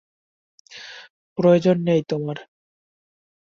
প্রয়োজন নেই তোমার?